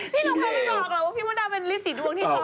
พี่หนุ่มเขาไม่สักหรอกว่าพี่มดดำเป็นริสีดวงที่คอ